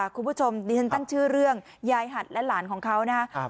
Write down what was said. คุณผู้ชมดิฉันตั้งชื่อเรื่องยายหัดและหลานของเขานะครับ